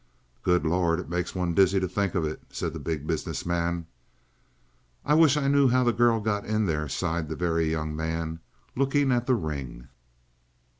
"Good Lord! It makes one dizzy to think of it," said the Big Business Man. "I wish I knew how that girl got in there," sighed the Very Young Man, looking at the ring.